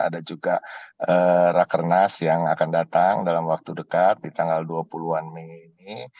ada juga rakernas yang akan datang dalam waktu dekat di tanggal dua puluh an mei ini